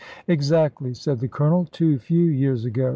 "Exactly," said the Colonel; "too few years ago.